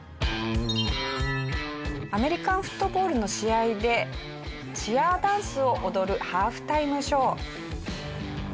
アメリカンフットボールの試合でチアダンスを踊るハーフタイムショー。